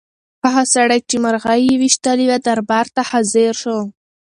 هغه سړی چې مرغۍ یې ویشتلې وه دربار ته حاضر شو.